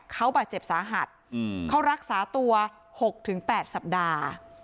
เขาบาดเจ็บสาหัสเขารักษาตัว๖๘สัปดาห์